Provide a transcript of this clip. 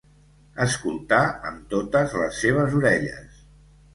Escoltar amb totes les seves orelles.